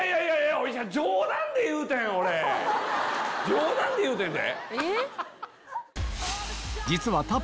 冗談で言うてんで。